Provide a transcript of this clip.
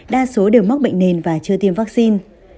đa số đều mắc bệnh nền và chưa tiêm vaccine